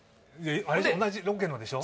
同じロケのでしょ？